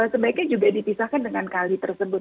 sebaiknya juga dipisahkan dengan kali tersebut